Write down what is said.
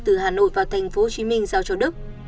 từ hà nội vào tp hcm giao cho đức